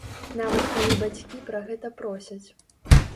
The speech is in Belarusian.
Нават калі бацькі пра гэта просяць.